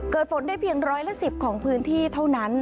เกิดฝนได้เพียงร้อยละ๑๐ของพื้นที่เท่านั้น